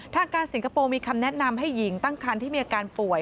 ทางการสิงคโปร์มีคำแนะนำให้หญิงตั้งคันที่มีอาการป่วย